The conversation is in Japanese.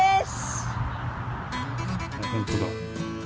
本当だ。